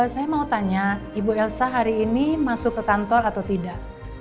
saya mau tanya ibu elsa hari ini masuk ke kantor atau tidak